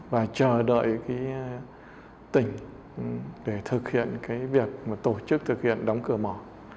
và chờ đợi tỉnh để thực hiện việc tổ chức thực hiện đóng cửa mỏ